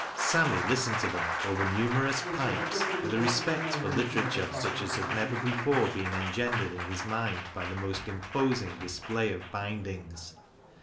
Sammy listened to them over uumer 0U8 pipes, with a respect for literature such as had nevei before been engendered in his mind by the most imposing lisp] ay of bindings.